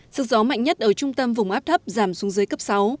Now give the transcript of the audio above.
sức gió mạnh nhất ở trung tâm vùng áp thấp giảm xuống dưới cấp sáu